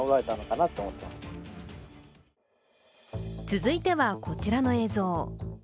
続いては、こちらの映像。